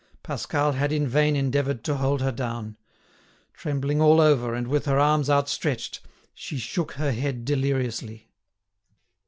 Pascal had in vain endeavoured to hold her down. Trembling all over, and with her arms outstretched, she shook her head deliriously.